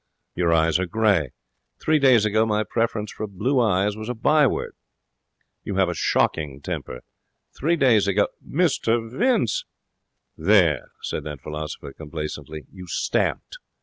Your eyes are grey. Three days ago my preference for blue eyes was a by word. You have a shocking temper. Three days ago ' 'Mr Vince!' 'There!' said that philosopher, complacently. 'You stamped.